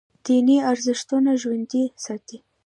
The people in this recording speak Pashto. دیني ارزښتونه ژوندي ساتي.